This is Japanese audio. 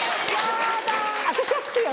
私は好きよ